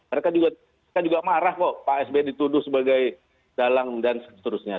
mereka juga saya juga marah kok pak sby dituduh sebagai dalang dan seterusnya